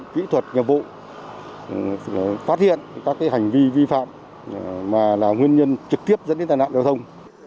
kỹ thuật nghiệp vụ phát hiện các hành vi vi phạm mà là nguyên nhân trực tiếp dẫn đến tai nạn giao thông